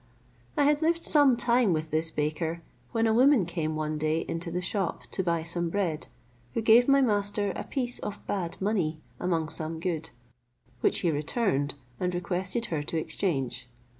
I had lived some time with this baker, when a woman came one day into the shop to buy some bread, who gave my master a piece of bad money among some good, which he returned, and requested her to exchange.